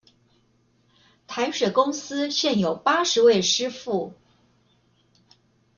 台水公司現有八十位師傅